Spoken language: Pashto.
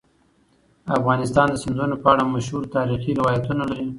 افغانستان د سیندونه په اړه مشهور تاریخی روایتونه لري.